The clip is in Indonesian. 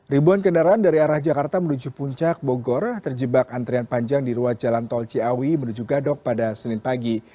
ribuan kendaraan dari arah jakarta menuju puncak bogor terjebak antrian panjang di ruas jalan tol ciawi menuju gadok pada senin pagi